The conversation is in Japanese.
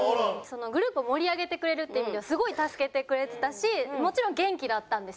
グループを盛り上げてくれるっていう意味ではすごい助けてくれてたしもちろん元気だったんですよ。